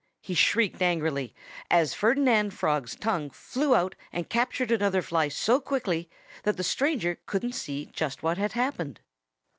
he shrieked angrily, as Ferdinand Frog's tongue flew out and captured another fly so quickly that the stranger couldn't see just what had happened.